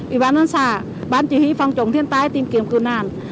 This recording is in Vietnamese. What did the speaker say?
ủy ban an xã ban chỉ huy phòng chống thiên tai tìm kiếm cư nạn